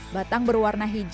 batang berwarna hijau